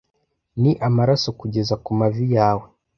ni amaraso kugeza kumavi yawe